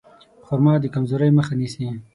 خرما د کمزورۍ مخه نیسي.